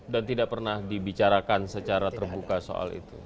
tidak pernah dibicarakan secara terbuka soal itu